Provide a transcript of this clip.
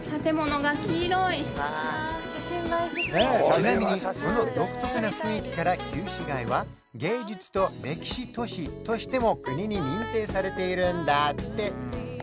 ちなみにこの独特な雰囲気から旧市街は芸術と歴史都市としても国に認定されているんだって